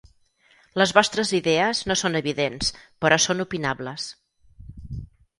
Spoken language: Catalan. Les vostres idees no són evidents, però són opinables.